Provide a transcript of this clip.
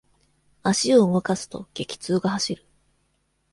足を動かすと、激痛が走る。